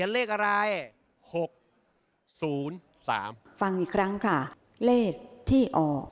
เลขที่อ